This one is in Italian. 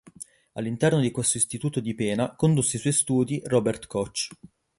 All'interno di questo istituto di pena condusse i suoi studi Robert Koch.